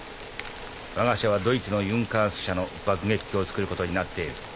わが社はドイツのユンカース社の爆撃機をつくることになっている。